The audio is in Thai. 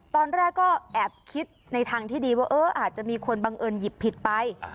ตอนแรกก็แอบคิดในทางที่ดีว่าเอออาจจะมีคนบังเอิญหยิบผิดไป